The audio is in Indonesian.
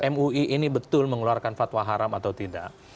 mui ini betul mengeluarkan fatwa haram atau tidak